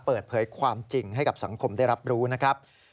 เปิดเผยความจริงให้กับสังคมได้รับรู้นะครับ